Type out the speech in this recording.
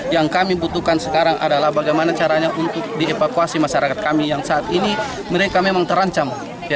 yang kami butuhkan sekarang adalah bagaimana caranya untuk dievakuasi masyarakat kami yang saat ini mereka memang terancam